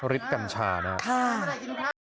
ฤทธิ์กัญชานะครับ